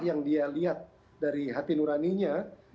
yang dia lihat dari hati nuraninya